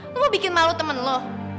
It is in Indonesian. lu mau bikin malu temen lu